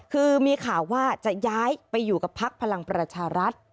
คือมีข่าวว่าจะย้ายไปอยู่กับพักพลังประชารัฐ